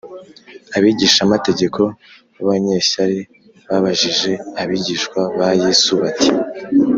abigishamategeko b’abanyeshyari babajije abigishwa ba yesu bati,